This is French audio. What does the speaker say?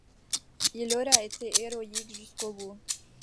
Il aura été héroïque jusqu'au bout.